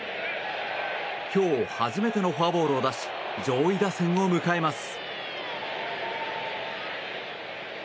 今日、初めてのフォアボールを出し上位打線を迎えます。